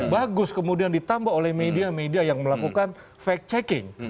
bagus kemudian ditambah oleh media media yang melakukan fact checking